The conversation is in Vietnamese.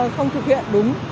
không thực hiện đúng